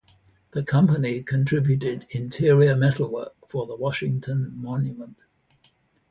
The company contributed interior metalwork for the Washington Monument.